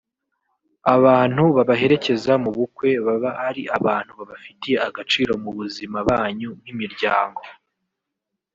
Abantu babaherekeza mu bukwe baba ari abantu babafitiye agaciro mu buzima banyu nk’imiryango